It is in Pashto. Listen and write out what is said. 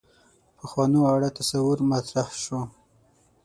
پخوانو اړه تصور مطرح شو.